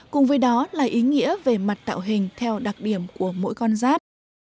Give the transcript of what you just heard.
cùng với đó là ý nghĩa về mặt tạo hình theo đặc điểm của mỗi con giáp